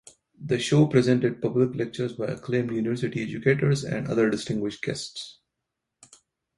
The show presented public lectures by acclaimed university educators and other distinguished guests.